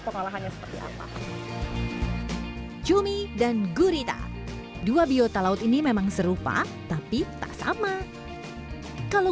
pengolahannya seperti apa cumi dan gurita dua biota laut ini memang serupa tapi tak sama kalau